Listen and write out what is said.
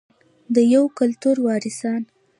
د یو کلتور وارثان.